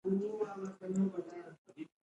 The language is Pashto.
سم ذکر تر سترګو ناسنته در معلوم شي.